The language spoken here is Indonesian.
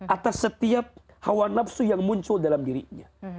atas setiap hawa nafsu yang muncul dalam dirinya